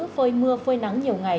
phơi mưa phơi nắng nhiều ngày